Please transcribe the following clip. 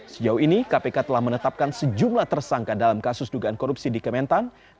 sejauh ini kpk telah menetapkan sejumlah tersangka dalam kasus dugaan korupsi di kementan